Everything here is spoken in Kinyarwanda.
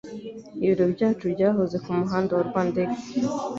Ibiro byacu byahoze kumuhanda wa rwandex.